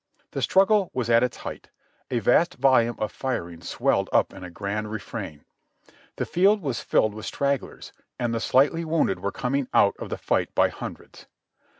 The struggle was at its height; a vast volume of firing swelled up in a grand refrain. The field was filled with stragglers, and the slightly wounded were coming out of the fight by hundreds.